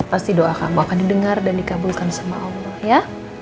pasti doa kamu akan didengar dan dikabulkan sama allah ya